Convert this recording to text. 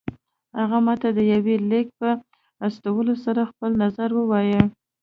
هغه ماته د يوه ليک په استولو سره خپل نظر ووايه.